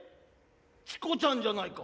チコちゃんじゃないか。